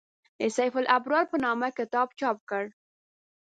د «سیف الابرار» په نامه کتاب چاپ کړ.